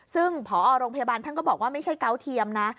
ซึ่งพอโรงพยาบาลท่านก็บอกว่าไม่ใช่เกาะเทียมนะ